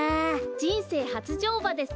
じんせいはつじょうばですね。